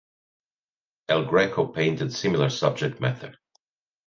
El Greco painted similar subject matter.